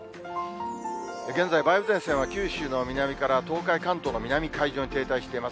現在、梅雨前線は九州の南から東海、関東の南海上に停滞しています。